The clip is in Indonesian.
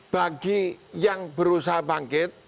bagi yang berusaha bangkit